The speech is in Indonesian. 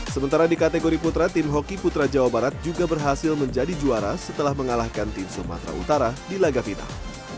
sementara di kategori putra tim hoki putra jawa barat juga berhasil menjadi juara setelah mengalahkan tim sumatera utara di laga final